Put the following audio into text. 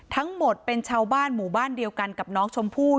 ทั้งหมดเป็นชาวบ้านหมู่บ้านเดียวกันกับน้องชมพู่